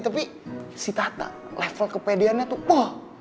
tapi si tata level kepediannya tuh poh